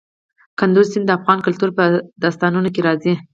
کندز سیند د افغان کلتور په داستانونو کې راځي.